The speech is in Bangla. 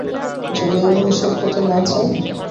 যদি আমি এসব হতে না চাই?